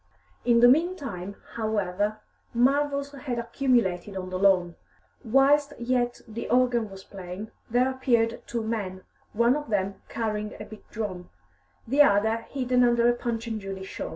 In the meantime, however, marvels had accumulated on the lawn. Whilst yet the organ was playing, there appeared two men, one of them carrying a big drum, the other hidden under a Punch and Judy show.